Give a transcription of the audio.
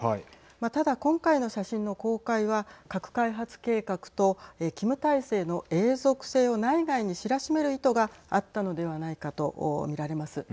ただ、今回の写真の公開は核開発計画とキム体制の永続性を内外に知らしめる意図があったのではないかと見られます。